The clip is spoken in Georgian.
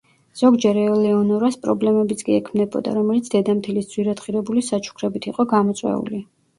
ზოგჯერ ელეონორას პრობლემებიც კი ექმნებოდა, რომელიც დედამთილის ძვირადღირებული საჩუქრებით იყო გამოწვეული.